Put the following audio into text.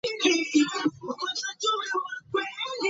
However, the Vedas do not contain any of the "Vedic mathematics" sutras.